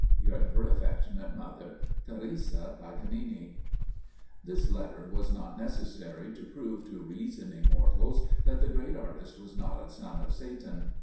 "Your ever affectionate mother, "TERESA PAGANINI." This letter was not necessary to prove to reasoning mortals that the great artist was not a son of Satan.